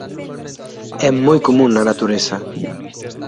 É moi común na natureza.